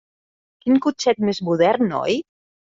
Quin cotxet més modern, oi?